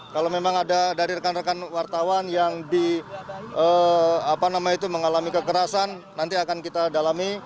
kalau memang ada dari rekan rekan wartawan yang mengalami kekerasan nanti akan kita dalami